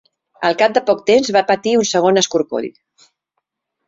Al cap de poc temps va patir un segon escorcoll.